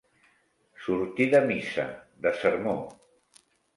Sortir de missa, de sermó.